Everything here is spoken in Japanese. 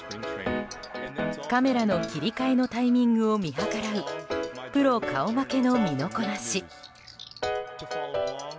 カメラの切り替えのタイミングを見計らいプロ顔負けの身のこなし。